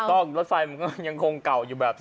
ถูกต้องรถไฟมันก็ยังคงเก่าอยู่แบบนี้